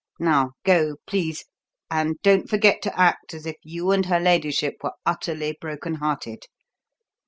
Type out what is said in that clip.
Now go, please; and don't forget to act as if you and her ladyship were utterly broken hearted.